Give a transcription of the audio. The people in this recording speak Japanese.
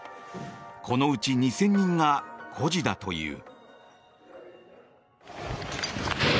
このうち２０００人が孤児だという。